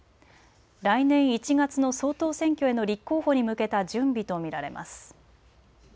来年１月の総統選挙への立候補に向けた準備と見られます。